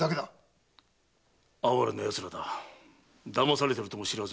哀れな奴らだ騙されているとも知らずに。